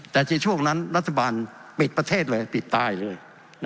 แต่ในช่วงนั้นรัฐบาลปิดประเทศเลยปิดตายเลย